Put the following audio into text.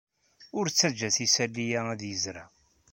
Ur ttajjat isali-a ad yezreɛ.